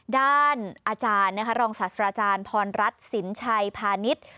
ด้านอาจารย์รองศาสตราจารย์พรรัฐสินชัยพาณิชย์